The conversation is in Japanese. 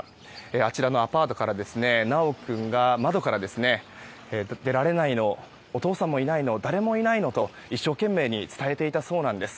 あちらのアパートから修君が窓から、出られないのお父さんもいないの誰もいないのと一生懸命に伝えていたそうなんです。